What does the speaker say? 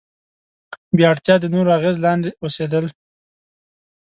بې اړتیا د نورو اغیز لاندې اوسېدل.